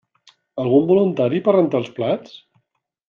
Algun voluntari per rentar els plats?